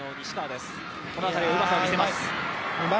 この辺りはうまさを見せます。